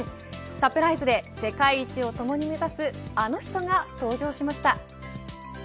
サプライズで世界一をともに目指すあの人が登場しました。